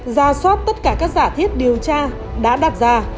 ra soát tất cả các giả thiết điều tra đã đặt ra